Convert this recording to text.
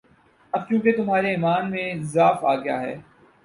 اب چونکہ تمہارے ایمان میں ضعف آ گیا ہے،